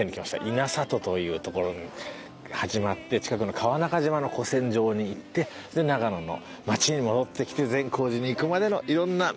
稲里というところ始まって近くの川中島の古戦場に行って長野の町に戻ってきて善光寺に行くまでの色んな道を行きました。